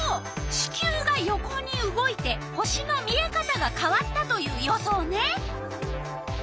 地球が横に動いて星の見えかたがかわったという予想ね。